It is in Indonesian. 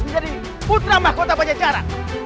menjadi putra makota bajajaran